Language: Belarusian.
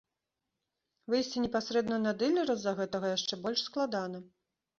Выйсці непасрэдна на дылера з-за гэтага яшчэ больш складана.